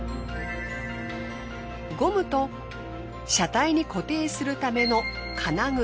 ゴムと車体に固定するための金具。